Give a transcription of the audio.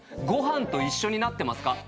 ご飯と一緒になってますか？